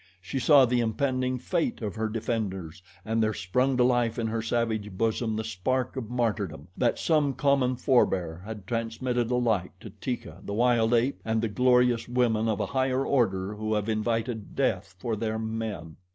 She saw the impending fate of her defenders and there sprung to life in her savage bosom the spark of martyrdom, that some common forbear had transmitted alike to Teeka, the wild ape, and the glorious women of a higher order who have invited death for their men.